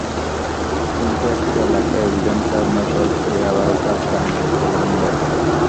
কিন্তু একটা এলাকায় অভিযান চালানোর পরপরই আবারও তার টাঙিয়ে ফেলেন ব্যবসায়ীরা।